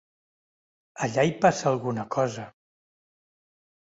Allà hi passa alguna cosa.